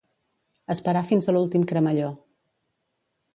Esperar fins a l'últim cremalló.